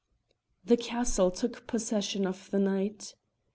The castle took possession of the night.